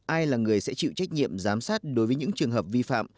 ai là người sẽ chịu trách nhiệm giám sát đối với những trường hợp vi phạm